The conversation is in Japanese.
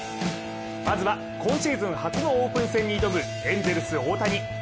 まずは今シーズン初のオープン戦に挑むエンゼルス・大谷。